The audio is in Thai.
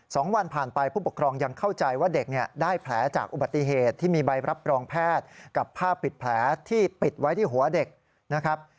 สองวันผ่านไปผู้ปกครองยังเข้าใจว่าเด็กเนี่ยได้แผลจากอุบัติเหตุที่มีใบรับรองแพทย์กับผ้าปิดแผลที่ปิดไว้ที่หัวเด็กนะครับ